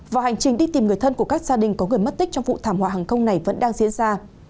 và hành trình đi tìm người thân của các gia đình có người mất tích trong vụ thảm họa hàng không này vẫn đang diễn ra